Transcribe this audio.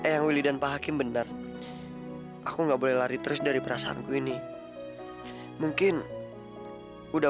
eh willy dan pak hakim benar aku nggak boleh lari terus dari perasaanku ini mungkin udah